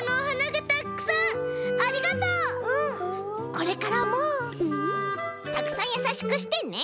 これからもたくさんやさしくしてね？